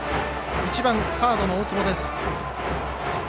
１番、サードの大坪です。